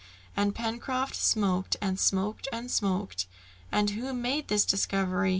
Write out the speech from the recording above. And Pencroft smoked, and smoked, and smoked. "And who made this discovery?"